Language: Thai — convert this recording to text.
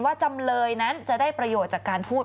จำเลยนั้นจะได้ประโยชน์จากการพูด